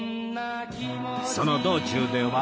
その道中では